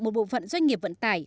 một bộ phận doanh nghiệp vận tải